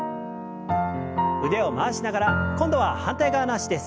腕を回しながら今度は反対側の脚です。